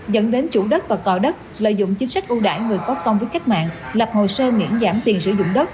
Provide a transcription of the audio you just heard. dẫn đến chủ đất và tòa đất lợi dụng chính sách ưu đại người có con với khách mạng lập hồ sơ miễn giảm tiền sử dụng đất